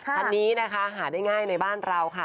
คันนี้นะคะหาได้ง่ายในบ้านเราค่ะ